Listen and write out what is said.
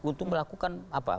untuk melakukan apa